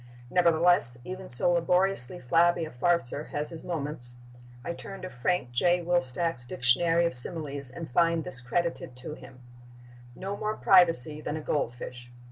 Nevertheless, even so laboriously flabby a farceur has his moments. I turn to Frank J. Wilstach's Dictionary of Similes and find this credited to him: "No more privacy than a goldfish."